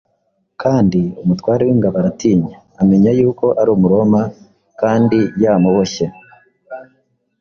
kandi umutware w’ingabo aratinya, amenya yuko ari Umuroma kandi yamuboshye.